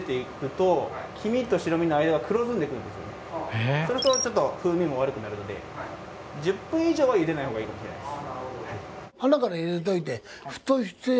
するとちょっと風味も悪くなるので１０分以上は茹でないほうがいいかもしれないですね。